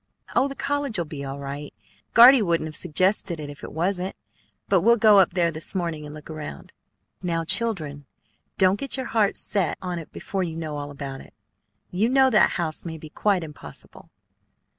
"Oh, the college'll be all right. Guardy wouldn't have suggested it if it wasn't. But we'll go up there this morning and look around." "Now, children, don't get your heart set on it before you know all about it. You know that house may be quite impossible."